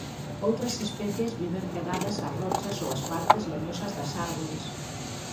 Outras especies viven pegadas ás rochas ou ás partes leñosas das árbores.